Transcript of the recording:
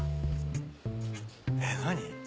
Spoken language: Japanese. えっ何？